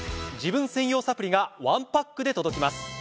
自分専用サプリがワンパックで届きます。